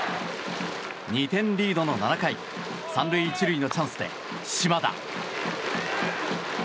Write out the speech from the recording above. ２点リードの７回３塁１塁のチャンスで島田。